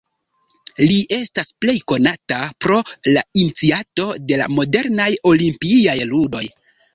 Li estas plej konata pro la iniciato de la modernaj Olimpiaj ludoj.